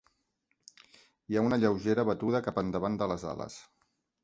Hi ha una lleugera batuda cap endavant de les ales.